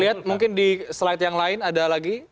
lihat mungkin di slide yang lain ada lagi